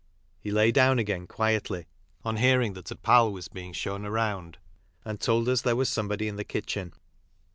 He lay down a^ain quietly on hearing that " a pal was bein' shSwn round, and told us there was somebody in the kitchen.